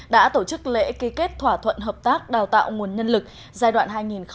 đã tổ chức lễ ký kết thỏa thuận hợp tác đào tạo nguồn nhân lực giai đoạn hai nghìn một mươi năm hai nghìn hai mươi năm